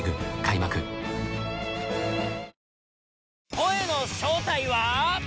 声の正体は。